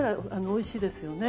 おいしいですね。